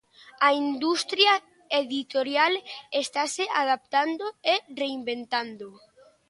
A industria editorial estase adaptando e reinventando.